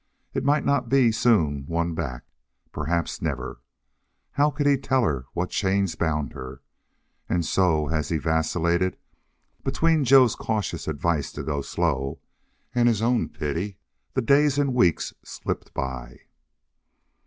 It might not be soon won back perhaps never. How could he tell what chains bound her? And so as he vacillated between Joe's cautious advice to go slow and his own pity the days and weeks slipped by.